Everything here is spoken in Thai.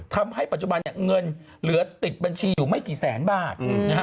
ทำให้ปัจจุบันเนี่ยเงินเหลือติดบัญชีอยู่ไม่กี่แสนบาทนะฮะ